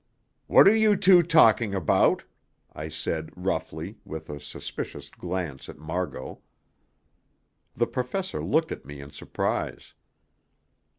"What are you two talking about?" I said, roughly, with a suspicious glance at Margot. The Professor looked at me in surprise.